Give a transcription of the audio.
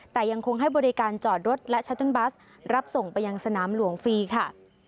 แต่ยังคงให้บริการจอดรถและชัตเติลบัสรับส่งไปยังสนามหลวงฟรีค่ะ